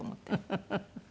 フフフフ。